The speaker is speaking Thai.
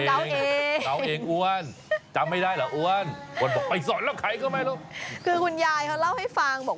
ใช่เพราะเป็นแมวในร่างเป็นหมาในร่างแมวหรือยังไงก็มีในสัตว์ว่านะครับ